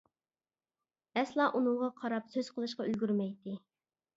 ئەسلا ئۇنىڭغا قاراپ سۆز قىلىشقا ئۈلگۈرمەيتتى.